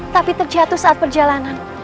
tapi terjatuh saat perjalanan